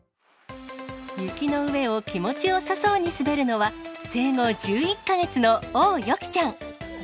雪の上を気持ちよさそうに滑るのは、生後１１か月の王予きちゃん。